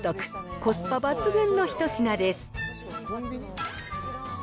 コスパ抜群の一品です。